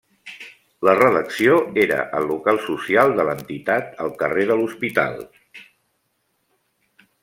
La redacció era al local social de l'entitat, al carrer de l'Hospital.